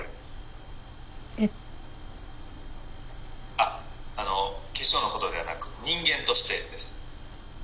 「あっあの化粧のことではなく人間としてです」。